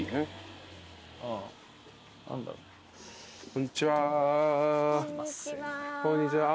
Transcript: こんちは。